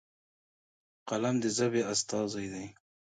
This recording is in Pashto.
قلم د ژبې استازی دی.